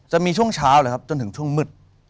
จะมีช่วงเช้าเลยครับจนถึงช่วงมืด